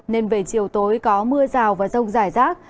nên về chiều tối có mưa rào và rông rải rác